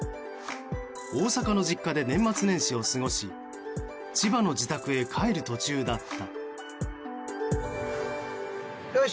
大阪の実家で年末年始を過ごし千葉の自宅へ帰る途中だった。